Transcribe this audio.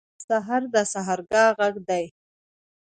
سهار د سحرګاه غږ دی.